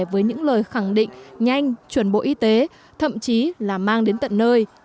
với những lời khẳng định nhanh chuẩn bộ y tế thậm chí là mang đến tận nơi